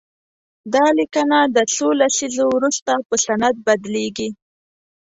دا لیکنه د څو لسیزو وروسته په سند بدليږي.